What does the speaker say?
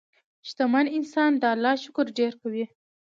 شتمن انسان د الله شکر ډېر کوي.